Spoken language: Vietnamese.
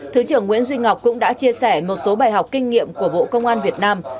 thứ trưởng nguyễn duy ngọc cũng đã chia sẻ một số bài học kinh nghiệm của bộ công an việt nam